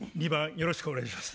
よろしくお願いします。